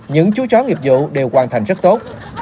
những chú chó nghiệp vụ đều hoàn thành rất tốt